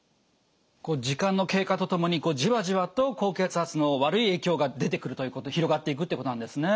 時間の経過とともにじわじわと高血圧の悪い影響が出てくるということで広がっていくってことなんですね。